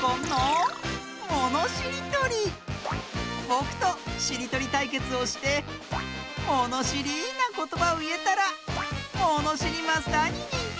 ぼくとしりとりたいけつをしてものしりなことばをいえたらものしりマスターににんてい！